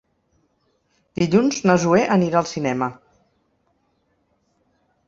Dilluns na Zoè anirà al cinema.